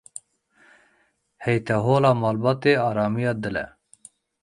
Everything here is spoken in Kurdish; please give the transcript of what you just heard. Heytehola malbatê, aramiya dil e.